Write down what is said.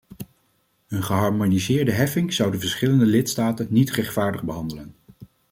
Een geharmoniseerde heffing zou de verschillende lidstaten niet rechtvaardig behandelen.